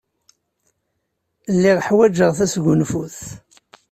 Lliɣ ḥwajeɣ tasgunfut.